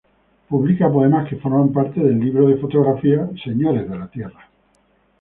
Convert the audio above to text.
Publica poemas que forman parte del libro de fotografías "Señores de la Tierra".